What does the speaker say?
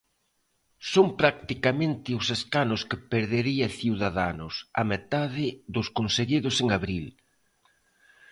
Son practicamente os escanos que perdería Ciudadanos, a metade dos conseguidos en abril.